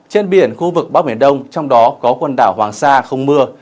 trên biển khu vực bắc biển đông trong đó có quần đảo hoàng sa không mưa